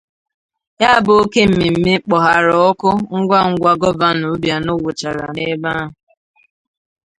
Ya bụ oke mmemme kpòghààrà ọkụ ngwangwa Gọvanọ Obianọ wụchara n'ebe ahụ